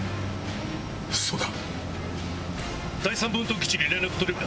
そうだ！